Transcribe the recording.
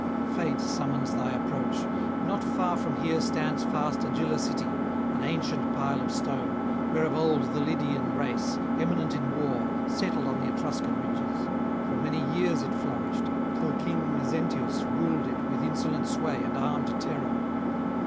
Fate summons thy approach. Not far from here stands fast Agylla city, an ancient pile of stone, where of old the Lydian race, eminent in war, settled on the Etruscan ridges. For many years it flourished, till King Mezentius ruled it with insolent sway and armed terror.